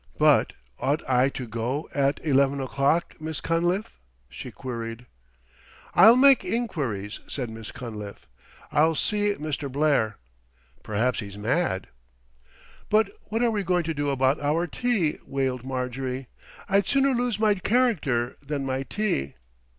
But ought I to go at eleven o'clock, Miss Cunliffe?" she queried. "I'll make enquiries," said Miss Cunliffe. "I'll see Mr. Blair. Perhaps he's mad." "But what are we going to do about our tea?" wailed Marjorie. "I'd sooner lose my character than my tea."